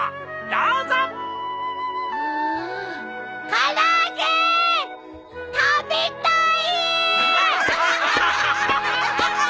唐揚げ食べたい！